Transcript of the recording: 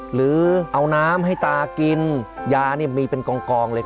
หรือเอาน้ำให้ตากินยานี่มีเป็นกองเลย